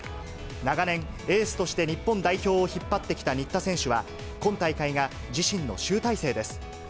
長年、エースとして日本代表を引っ張ってきた新田選手は、今大会が自身の集大成です。